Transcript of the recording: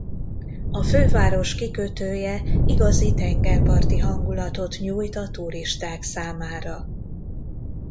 A főváros kikötője igazi tengerparti hangulatot nyújt a turisták számára.